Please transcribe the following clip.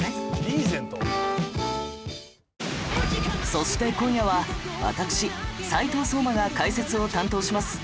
そして今夜は私斉藤壮馬が解説を担当します